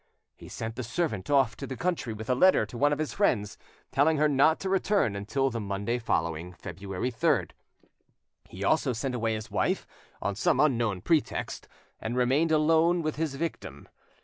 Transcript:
He sent the servant off into the country with a letter to one of his friends, telling her not to return until the Monday following, February 3rd. He also sent away his wife, on some unknown pretext, and remained alone with his victim.